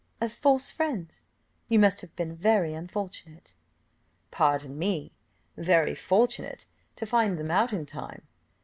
"Of false friends you must have been very unfortunate." "Pardon me very fortunate to find them out in time."